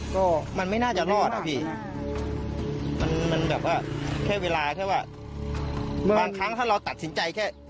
ก็มันไม่น่าจะรอดอ่ะพี่มันมันแบบว่าแค่เวลาแค่ว่าบางครั้งถ้าเราตัดสินใจแค่